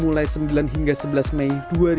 mulai sembilan hingga sebelas mei dua ribu dua puluh